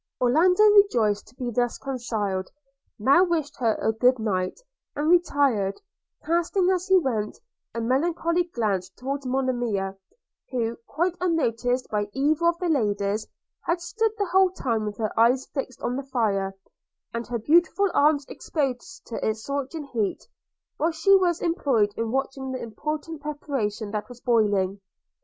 Orlando, rejoiced to be thus reconciled, now wished her a good night, and retired; casting, as he went, a melancholy glance toward Monimia, who, quite unnoticed by either of the ladies, had stood the whole time with her eyes fixed on the fire, and her beautiful arms exposed to its scorching heat, while she was employed in watching the important preparation that was boiling.